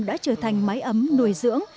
đã trở thành máy ấm nuôi dưỡng